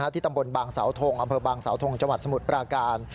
ที่ตำบลบางสาวทงอำเภอบางสาวทงจังหวัดสมุทรปราการ